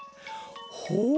ほう！